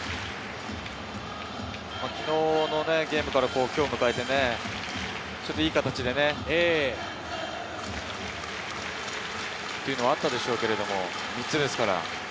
昨日のゲームから今日迎えてちょっといい形でというのもあったでしょうけれど、３つですから。